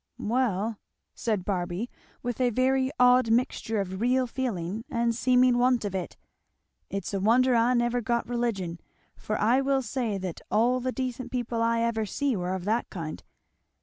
"Well," said Barby with a very odd mixture of real feeling and seeming want of it, "it's a wonder I never got religion, for I will say that all the decent people I ever see were of that kind!